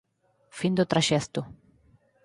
Fin do traxecto.